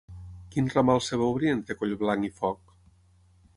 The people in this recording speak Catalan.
Quin ramal es va obrir entre Collblanc i Foc?